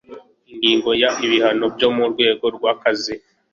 Ingingo ya Ibihano byo mu rwego rw akazi